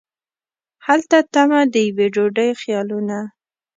هلته تمه د یوې ډوډۍ خیالونه